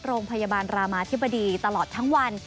โรงพยาบาลรามาธิบดีตลอดทั้งวัน